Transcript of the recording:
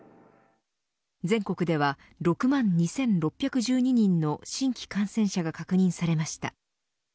全国では６万２６１２人の新規感染者が確認されました。